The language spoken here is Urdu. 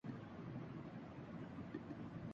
رونگ نمبر رومانوی کہانی یا صرف مذاق